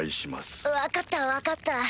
分かった分かった。